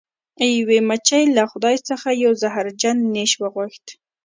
یوې مچۍ له خدای څخه یو زهرجن نیش وغوښت.